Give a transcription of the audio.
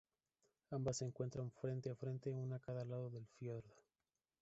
Ambas se encuentran frente a frente, una a cada lado del fiordo.